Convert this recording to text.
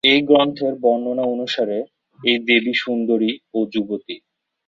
এই গ্রন্থের বর্ণনা অনুসারে, এই দেবী সুন্দরী ও যুবতী।